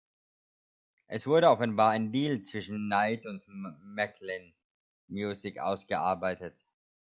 Es wurde offenbar ein Deal zwischen Knight und Maclen Music ausgearbeitet.